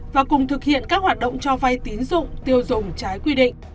và cùng thực hiện các hoạt động cho vay tín dụng tiêu dùng trái quy định